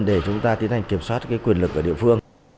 để chúng ta tiến hành kiểm soát quyền lực ở địa phương